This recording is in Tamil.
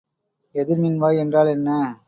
எதிர்மின்வாய் என்றால் என்ன?